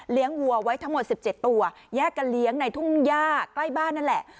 วัวไว้ทั้งหมด๑๗ตัวแยกกันเลี้ยงในทุ่งย่าใกล้บ้านนั่นแหละ